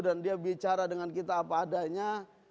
dan dia bicara dengan kita apa adanya